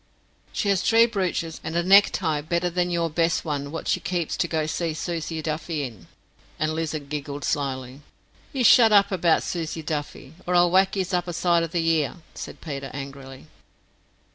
"She has tree brooches, and a necktie better than your best one wots you keeps to go seeing Susie Duffy in," and Lizer giggled slyly. "You shut up about Susie Duffy, or I'll whack yuz up aside of the ear," said Peter angrily.